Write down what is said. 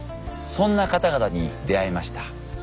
そんな方々に出会いました。